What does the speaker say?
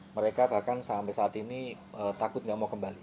mereka bahkan sampai saat ini takut nggak mau kembali